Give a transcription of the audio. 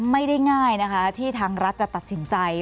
ไม่ได้ง่ายนะคะที่ทางรัฐจะตัดสินใจ